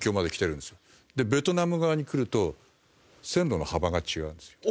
でベトナム側に来ると線路の幅が違うんですよ。